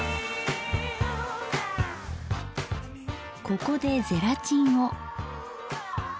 ここでゼラチンを。